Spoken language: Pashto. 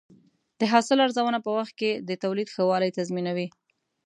د حاصل ارزونه په وخت کې د تولید ښه والی تضمینوي.